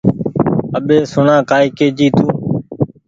اٻي سوڻا ڪآئي ڪي جي تو